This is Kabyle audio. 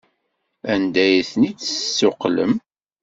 Anda ay ten-id-tessuqqlem?